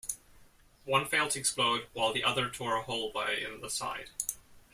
One failed to explode, while the other tore a hole by in the side.